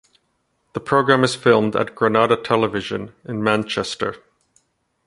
The programme is filmed at Granada Television in Manchester.